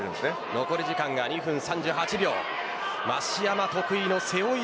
残り時間は２分３８秒です。